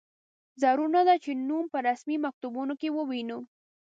ضرور نه ده چې نوم په رسمي مکتوبونو کې ووینو.